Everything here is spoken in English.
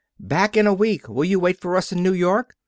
"Back in a week. Will you wait for us in New York?"